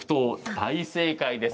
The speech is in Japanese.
大正解です。